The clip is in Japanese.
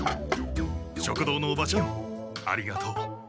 食堂のおばちゃんありがとう。